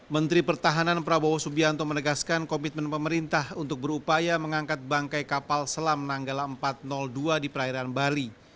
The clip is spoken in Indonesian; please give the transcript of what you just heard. menteri pertahanan prabowo subianto menegaskan komitmen pemerintah untuk berupaya mengangkat bangkai kapal selam nanggala empat ratus dua di perairan bali